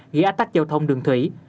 ghi ách tắt giao thông đường thủy